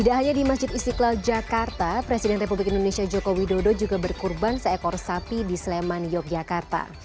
tidak hanya di masjid istiqlal jakarta presiden republik indonesia joko widodo juga berkurban seekor sapi di sleman yogyakarta